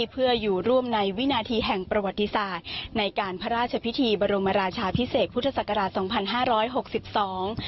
เพื่ออยู่ร่วมในวินาทีแห่งประวัติศาสตร์ในการพระราชพิธีบรมราชาพิเศษพุทธศักราชสองพันห้าร้อยหกสิบสอง